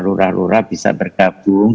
lurah lurah bisa bergabung